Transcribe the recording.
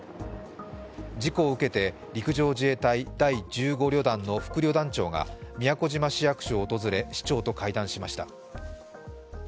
事故を受けて陸上自衛隊第１５旅団の副旅団長が宮古島市役所を訪れ市長と会談しました。